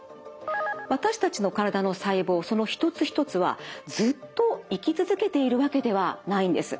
私たちの体の細胞その一つ一つはずっと生き続けているわけではないんです。